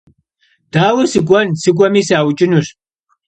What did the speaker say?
Daue sık'uen: sık'ueme, sauç'ınuş.